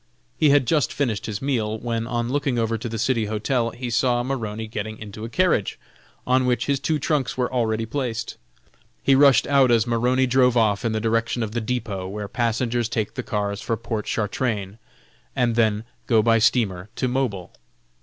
He had just finished his meal, when, on looking over to the City Hotel, he saw Maroney getting into a carriage, on which his two trunks were already placed. He rushed out as Maroney drove off in the direction of the depot where passengers take the cars for Pontchartrain, and then go by steamer to Mobile.